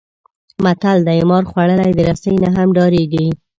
متل دی: مار خوړلی د رسۍ نه هم ډارېږي.